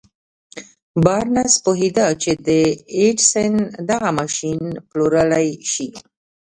بارنس پوهېده چې د ايډېسن دغه ماشين پلورلای شي.